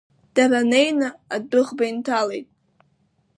Дара неины адәыӷба инҭалеит.